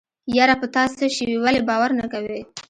يره په تاڅه شوي ولې باور نه کوې.